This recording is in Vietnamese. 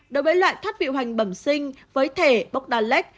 đối với loại thoát vị hoành bẩm sinh với thể bokdalek